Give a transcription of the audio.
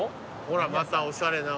ほらまたおしゃれな。